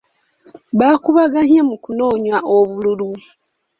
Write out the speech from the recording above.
Baakubaganye mu kunoonya obululu.